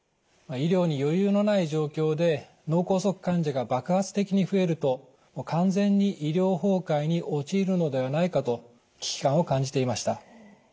医療に余裕のない状況で脳梗塞患者が爆発的に増えると完全に医療崩壊に陥るのではないかと危機感を感じていました。